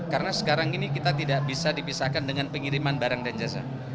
karena sekarang ini kita tidak bisa dipisahkan dengan pengiriman barang dan jasa